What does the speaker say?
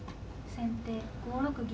先手５六銀。